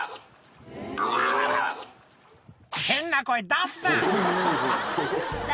変な声出すな。